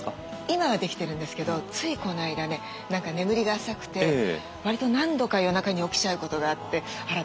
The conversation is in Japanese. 今はできてるんですけどついこの間ね何か眠りが浅くて割と何度か夜中に起きちゃうことがあってあら